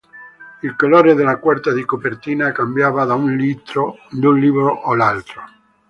Il colore della quarta di copertina cambiava da un libro all'altro.